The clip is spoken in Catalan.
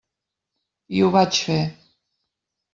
I ho vaig fer.